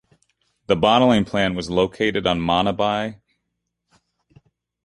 The bottling plant was located on Manabí and Chile Streets.